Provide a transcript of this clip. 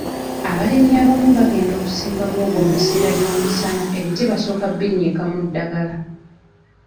Abalimi abamu abagenda okusimba muwogo mu biseera by'omusana ebiti basooka babinnyika mu ddagala.